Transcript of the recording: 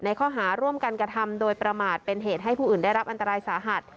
ข้อหาร่วมกันกระทำโดยประมาทเป็นเหตุให้ผู้อื่นได้รับอันตรายสาหัส